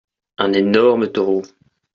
Un énorme taureau.